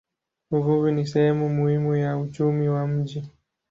Uvuvi ni sehemu muhimu ya uchumi wa mji.